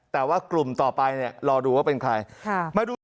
แต่ว่ากลุ่มต่อไปเนี่ยรอดูว่าเป็นใคร